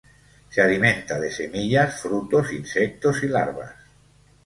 Se alimenta de semillas, frutos, insectos y larvas.